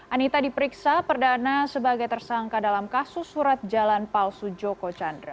anita diperiksa perdana sebagai tersangka dalam kasus surat jalan palsu joko chandra